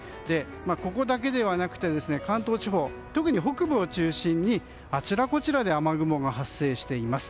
ここだけではなくて関東地方、特に北部を中心にあちらこちらで雨雲が発生しています。